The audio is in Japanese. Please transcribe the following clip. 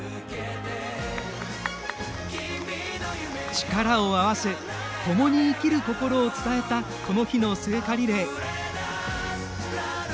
力を合わせ共に生きる心を伝えたこの日の聖火リレー。